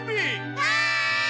はい！